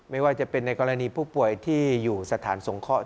ไม่ว่าจะเป็นในกรณีผู้ป่วยที่อยู่สถานสงเคราะห